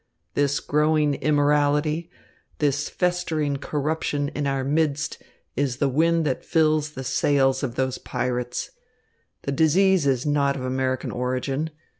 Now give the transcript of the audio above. This growing immorality, this festering corruption in our midst is the wind that fills the sails of those pirates. The disease is not of American origin.